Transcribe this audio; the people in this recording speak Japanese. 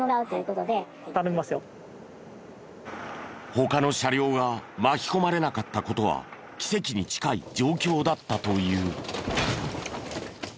他の車両が巻き込まれなかった事は奇跡に近い状況だったという。